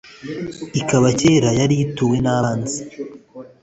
ikaba kera yari ituwe n'abanzi